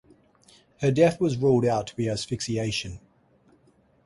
Her death was ruled to be from asphyxiation.